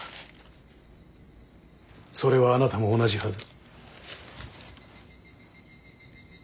それはあなたも同じはず。